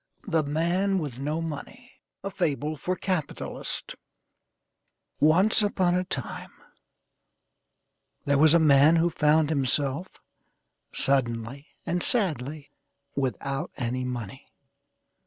THE MAN WITH NO MONEY A FABLE FOR CAPITALISTS Once upon a time there was a man who found himself, suddenly and sadly, without any money.